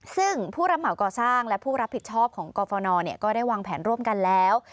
ซึ่งผู้รับเหมาก่อสร้างและผู้รับผิดชอบของกรฟนก็ได้วางแผนร่วมกันแล้ว